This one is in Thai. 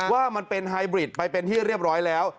ว่ามันเป็นไฮบริดไปเป็นที่เรียบร้อยแล้ว